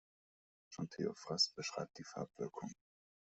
Schon Theophrast beschreibt die Farbwirkung.